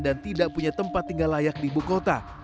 dan tidak punya tempat tinggal layak di ibukota